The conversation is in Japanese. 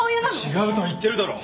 違うと言ってるだろう！